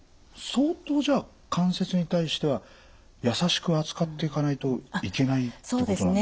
相当じゃあ関節に対しては優しく扱っていかないといけないってことなんですかね？